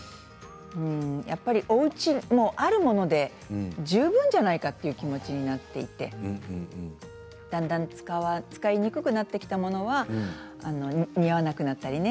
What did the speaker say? やっぱりおうちにあるもので十分じゃないかという気持ちになっていってだんだん使いにくくなってきたものは、似合わなくなったりね